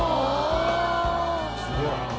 すごい。